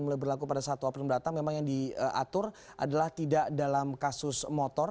mulai berlaku pada satu april mendatang memang yang diatur adalah tidak dalam kasus motor